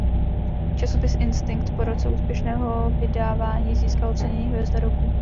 Časopis Instinkt po roce úspěšného vydávání získal ocenění Hvězda roku.